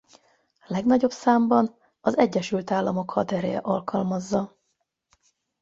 Legnagyobb számban az Egyesült Államok hadereje alkalmazza.